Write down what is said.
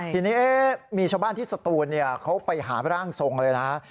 ทีนี้มีชาวบ้านที่สตูนเขาไปหาร่างทรงเลยนะ